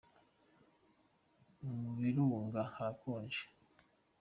mubirunga harakonja